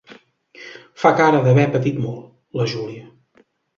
Fa cara d'haver patit molt, la Júlia.